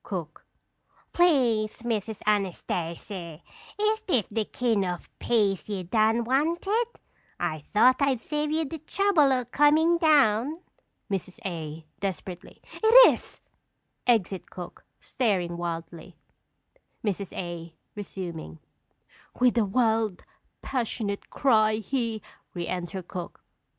_ Cook. Please, Miss Anastasy, is dis de kin' of a piece ye done wanted? I thought I'd save ye de trouble o' comin' down. Mrs. A. (desperately). It is! [Exit cook, staring wildly. Mrs. A. (resuming). "With a wild, passionate cry, he " _Re enter cook.